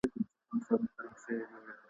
ولي د هر څه منل زموږ رواني انرژي اخلي؟